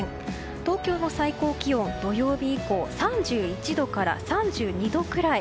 東京の最高気温は土曜日以降３１度から３２度くらい。